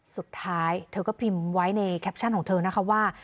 สุดท้ายเธอก็พิมพ์ไว้ในแคปชั่นของเธอนะคะว่า